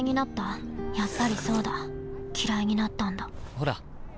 ほら。